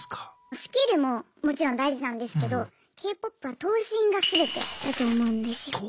スキルももちろん大事なんですけどＫ−ＰＯＰは頭身がすべてだと思うんですよ。